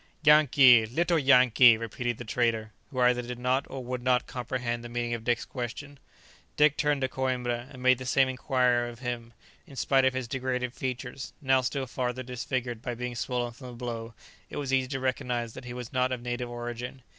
"Yankee! little Yankee!" repeated the trader, who either did not or would not comprehend the meaning of Dick's question. Dick turned to Coïmbra and made the same inquiry of him; in spite of his degraded features, now still farther disfigured by being swollen from the blow, it was easy to recognize that he was not of native origin.